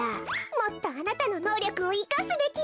もっとあなたののうりょくをいかすべきよ。